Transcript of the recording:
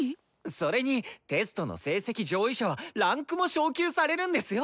それにテストの成績上位者は位階も昇級されるんですよ！